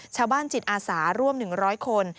ชาวบ้านจิตอาสาร่วม๑๐๐คน